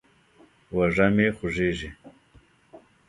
اوږه مې خوږېږي.